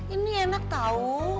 ini enak tau